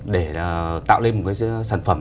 để tạo lên một cái sản phẩm